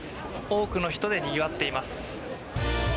多くの人でにぎわっています。